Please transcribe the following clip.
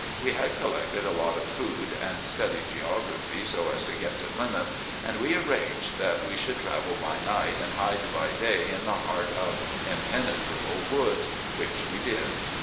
We had collected a lot of food, and studdied geography so as to get to Plymouth, and we arranged that we should travel by night and hide by day in the hart of impennetrable woods, which we did.